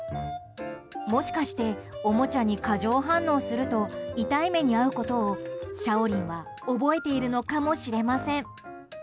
もしかしておもちゃに過剰反応すると痛い目に遭うことをシャオリンは覚えているのかもしれません。